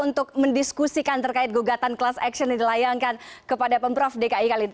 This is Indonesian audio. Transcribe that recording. untuk mendiskusikan terkait gugatan kelas aksi yang dilayangkan kepada pemburu dki kalimantan